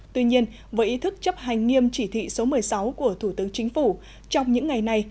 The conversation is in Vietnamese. tuy nhiên với ý thức chấp hành nghiêm chỉ thị số một mươi sáu của thủ tướng chính phủ trong những ngày này